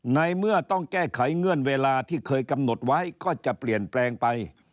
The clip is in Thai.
ในเมื่อต้องแก้ไขเงื่อนเวลาที่เคยกำหนดไว้ก็จะเปลี่ยนแปลงไป